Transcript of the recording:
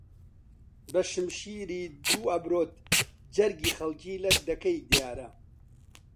بەشمشیری دوو ئەبرۆت جەرگی خەڵکی لەت دەکەی دیارە